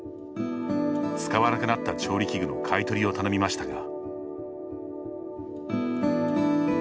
使わなくなった調理器具の買い取りを頼みましたが。